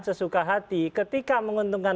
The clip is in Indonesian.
sesuka hati ketika menguntungkan